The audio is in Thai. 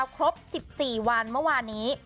ครบ๑๔วันเมื่อวานนี้